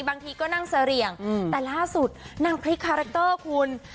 บางทีก็นั่งเสรียงแต่ล่าสุดนางพลิกคาแรคเตอร์คุณ